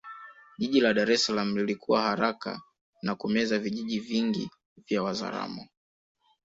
Jiji la Dar es Salaam lilikua haraka na kumeza vijiji vingi vya Wazaramo